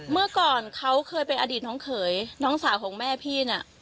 เมื่อก่อนเขาเคยเป็นอดีตน้องเขยน้องสาวของแม่พี่น่ะ